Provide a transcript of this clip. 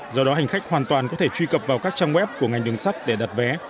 do đó hành khách hoàn toàn có thể truy cập vào các trang web của ngành đường sắt để đặt vé